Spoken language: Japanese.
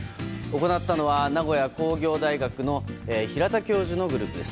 行ったのは名古屋工業大学の平田教授のグループです。